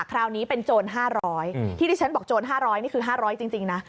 คราวนี้เป็นโจร๕๐๐ที่ที่ฉันบอกโจร๕๐๐นี่คือ๕๐๐จริงนะ